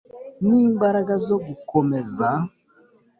nimbaraga zo gukomeza